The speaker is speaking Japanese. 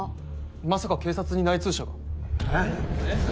まさか警察に内通者が？